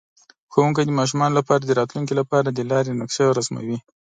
ښوونکی د ماشومانو لپاره د راتلونکي لپاره د لارې نقشه رسموي.